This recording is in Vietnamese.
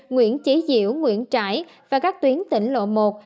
nguyễn chí diễu nguyễn trải và các tuyến tỉnh lộ một